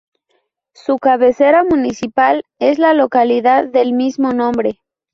Su cabecera municipal es la localidad del mismo nombre.